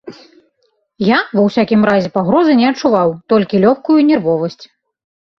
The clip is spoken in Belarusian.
Я, ва ўсякім разе, пагрозы не адчуваў, толькі лёгкую нервовасць.